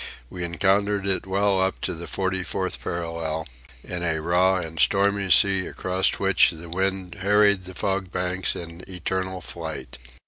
We encountered it well up to the forty fourth parallel, in a raw and stormy sea across which the wind harried the fog banks in eternal flight.